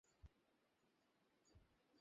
অক্ষয় ভাল ছেলে, আমি তাকে খুব ভালবাসি।